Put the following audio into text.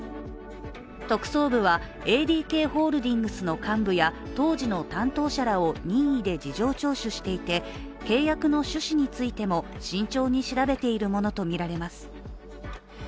特捜部は、ＡＤＫホールディングスの幹部や、当時の担当者らを任意で事情聴取していて契約の趣旨についても慎重に調べているものとみられます。